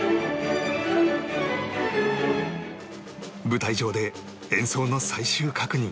舞台上で演奏の最終確認